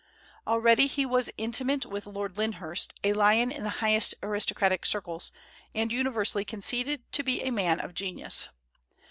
Already he was intimate with Lord Lyndhurst, a lion in the highest aristocratic circles, and universally conceded to be a man of genius.